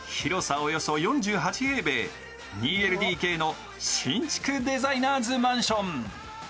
およそ４８平米、２ＬＤＫの新築デザイナーズマンション。